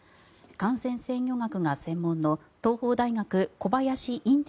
感染制御学が専門の東邦大学、小林寅